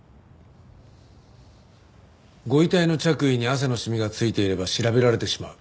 ご遺体の着衣に汗の染みが付いていれば調べられてしまう。